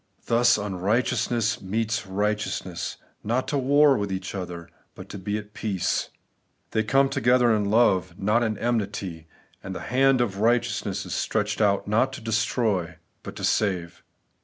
Thus unrighteousness meets right eousness, not to war with each other, but to be at peace. They come together in love, not in enmity ; and the hand of righteousness is stretched out not to destroy, but to save.